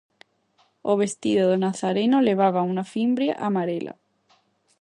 O vestido do nazareno levaba unha fimbria amarela.